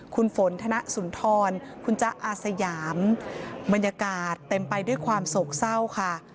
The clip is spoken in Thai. คุณฝนธนสุนทรคุณจ๊ะอาสยามบรรยากาศเต็มไปด้วยความโศกเศร้าค่ะ